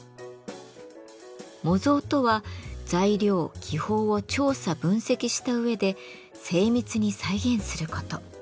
模造とは材料・技法を調査分析した上で精密に再現すること。